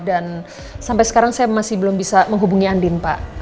dan sampai sekarang saya masih belum bisa menghubungi andien pak